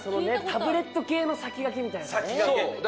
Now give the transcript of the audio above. タブレット系の先駆けみたいなね。